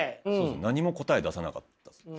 何も答え出さなかったですね。